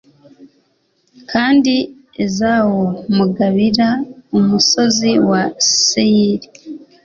kandi ezawu mugabira umusozi wa seyiri